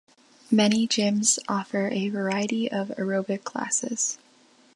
Many gyms offer a variety of aerobic classes.